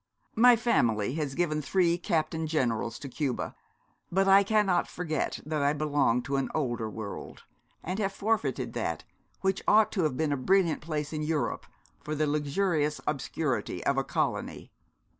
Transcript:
My family has given three Captain generals to Cuba: but I cannot forget that I belong to an older world, and have forfeited that which ought to have been a brilliant place in Europe for the luxurious obscurity of a colony.'